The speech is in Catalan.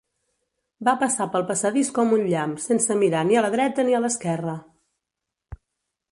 Va passar pel passadís com un llamp sense mirar ni a la dreta ni a l'esquerra.